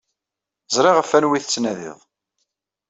Ẓriɣ ɣef wanwa ay tettnadid.